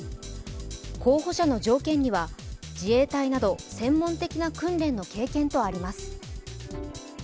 候補者の条件には、自衛隊など専門的な訓練の経験とあります。